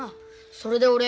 それで俺。